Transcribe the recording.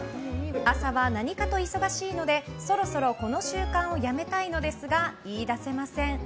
朝は何かと忙しいのでそろそろこの習慣をやめたいのですが言い出せません。